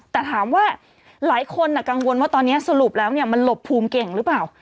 แต่ถามว่าหลายคนกังวลว่าตอนนี้สรุปแล้วมันหลบภูมิเก่งหรือเปล่า